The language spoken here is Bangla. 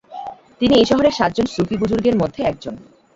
তিনি এই শহরের সাত জন সুফি বুজুর্গের মধ্যে একজন।